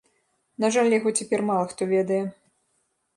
На жаль, яго цяпер мала хто ведае.